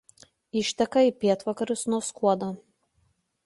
Išteka į pietvakarius nuo Skuodo.